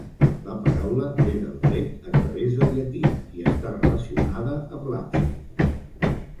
La paraula ve del grec, a través del llatí, i està relacionada amb l'absis.